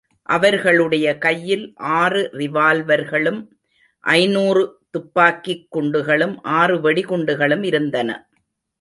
அவர்களுடைய கையில் ஆறு ரிவால்வர்களும், ஐந்நூறுதுப்பாக்கிக் குண்டுகளும், ஆறு வெடிகுண்டுகளும் இருந்தன.